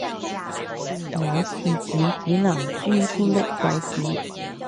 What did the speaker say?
冇廁紙只能朱古力手指